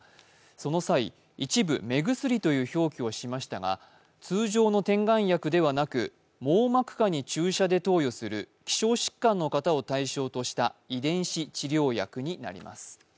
その際、一部目薬という表記をしましたが通常の点眼薬ではなく網膜下に注射で投与する希少疾患の方を対象にした遺伝子治療薬になります。